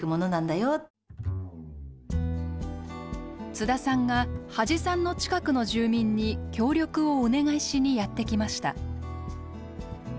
津田さんが土師さんの近くの住民に協力をお願いしにやって来ました。